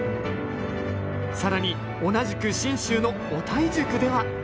更に同じく信州の小田井宿では。